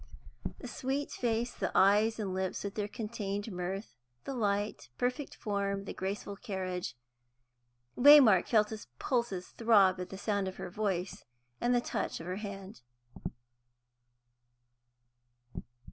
The sweet face, the eyes and lips with their contained mirth, the light, perfect form, the graceful carriage, Waymark felt his pulses throb at the sound of her voice and the touch of her hand.